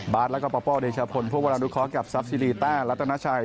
บาร์ตและปอปเปิอลเดชาพลพวกเราดูค้อกับซับซีรีตาและตะนาฉัย